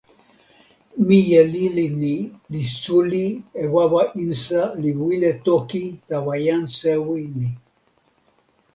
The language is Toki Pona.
mije lili ni li suli e wawa insa li wile toki tawa jan sewi ni.